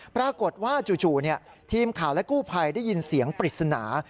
ปรากฏว่าจู่ทีมข่าวและกู้ภัยได้ยินเสียงปริศนา